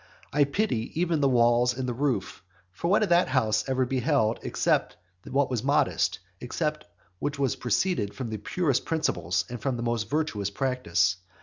I pity even the walls and the roof. For what had that house ever beheld except what was modest, except what proceeded from the purest principles and from the most virtuous practice?